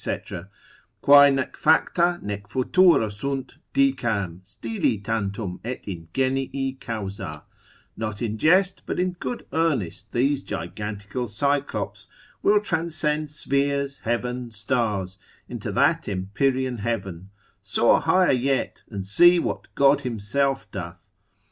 quae nec facta, nec futura sunt, dicam, stili tantum et ingenii causa, not in jest, but in good earnest these gigantical Cyclops will transcend spheres, heaven, stars, into that Empyrean heaven; soar higher yet, and see what God himself doth.